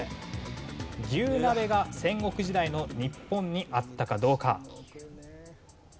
牛鍋が戦国時代の日本にあったかどうか？